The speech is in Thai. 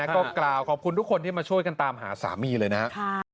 ก็กล่าวขอบคุณทุกคนที่มาช่วยกันตามหาสามีเลยนะครับ